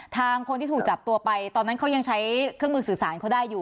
ทางคนที่ถูกจับตัวไปตอนนั้นเขายังใช้เครื่องมือสื่อสารเขาได้อยู่